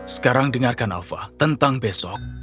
sekarang dengarkan alfa tentang besok